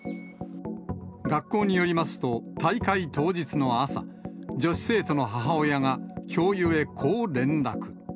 学校によりますと、大会当日の朝、女子生徒の母親が、教諭へこう連絡。